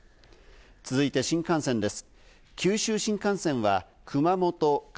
続いて新幹線です。